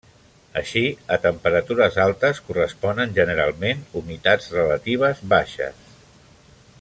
Així a temperatures altes corresponen generalment humitats relatives baixes.